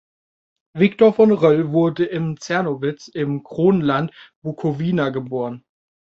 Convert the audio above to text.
Victor von Röll wurde in Czernowitz im Kronland Bukowina geboren.